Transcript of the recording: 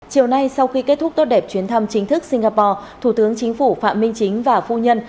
chiều nay sau khi kết thúc tốt đẹp chuyến thăm chính thức singapore thủ tướng chính phủ phạm minh chính và phu nhân